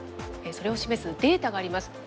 それを示すデータがあります。